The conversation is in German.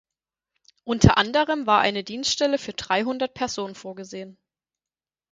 Unter anderem war eine Dienststelle für dreihundert Personen vorgesehen.